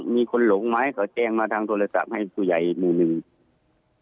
มีคนหลงไหมเค้าแจ้งที่โทรศัพท์ให้ผู้ใหญ่ภูมินุมิ